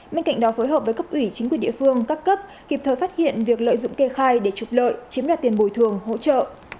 bên cạnh đó phối hợp với cấp ủy chính quyền địa phương các cấp kịp thời phát hiện việc lợi dụng kê khai để trục lợi chiếm đoạt tiền bồi thường hỗ trợ